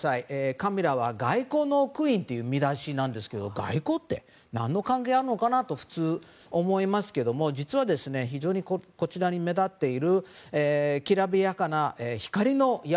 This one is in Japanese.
カミラは外交のクイーンという見出しなんですけど外交って何の関係があるのかなと普通思いますけども実は、こちらに目立っているきらびやかな光の山。